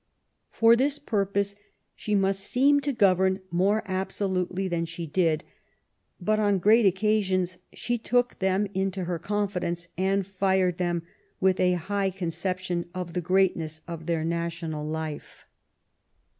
For this purpose she must seem to govern more absolutely than she did ; but, on great occasions, she took them into her confidence, and fired them with a high conception of the greatness of their national life.